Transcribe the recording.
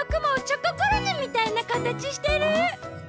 チョココロネみたいなかたちしてる！